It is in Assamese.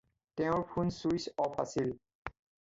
তেওঁৰ ফোন ছুইচ অফ আছিল।